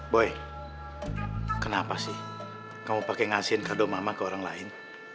boy kenapa sih kamu pakai ngasihin kado mama ke orang lain